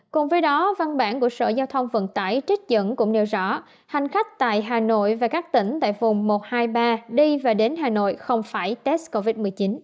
cùng với đó văn bản của sở giao thông vận tải trích dẫn cũng nêu rõ hành khách tại hà nội và các tỉnh tại vùng một trăm hai mươi ba đi và đến hà nội không phải test covid một mươi chín